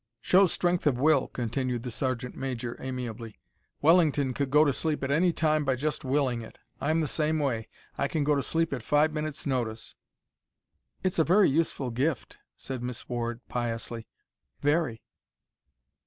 "Shows strength of will," continued the sergeant major, amiably. "Wellington could go to sleep at any time by just willing it. I'm the same way; I can go to sleep at five minutes' notice." "It's a very useful gift," said Miss Ward, piously, "very."